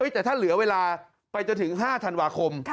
แต่ถ้าเหลือเวลาไปจนถึง๕ธันวาคม